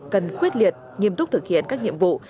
cần quyết liệt nghiêm túc thực hiện các nhiệm vụ